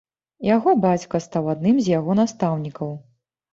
Яго бацька стаў адным з яго настаўнікаў.